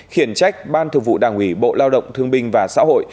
khiển trách ban thực vụ đảng ủy bộ lao động thương binh và xã hội